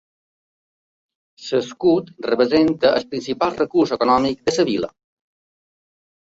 L'escut representa el principal recurs econòmic de la vila.